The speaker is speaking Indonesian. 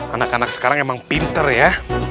anak anak sekarang emang pinter ya